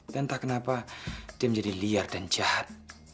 dan tak kenapa dia menjadi liar dan jahat